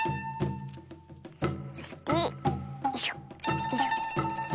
そしてよいしょよいしょ。